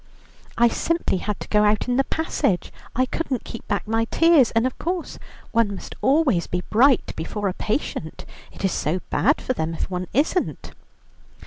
I simply had to go out in the passage, I couldn't keep back my tears, and of course one must always be bright before a patient; it is so bad for them if one isn't.